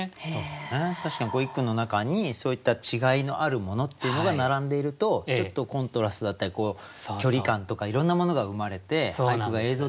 確かに一句の中にそういった違いのあるものっていうのが並んでいるとちょっとコントラストだったり距離感とかいろんなものが生まれて俳句が映像的になりますよね。